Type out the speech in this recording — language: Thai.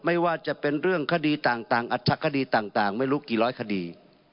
ไม่ว่าจะเป็นเรื่องคดีต่างอัชคดีต่างไม่รู้กี่ร้อยคดี